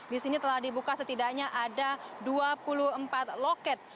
di sini telah dibuka setidaknya ada dua puluh empat loket